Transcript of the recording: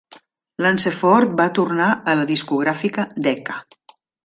Lunceford va tornar a la discogràfica Decca.